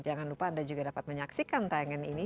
jangan lupa anda juga dapat menyaksikan tayangan ini